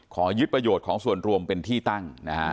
ขอยึดประโยชน์ของส่วนรวมเป็นที่ตั้งนะฮะ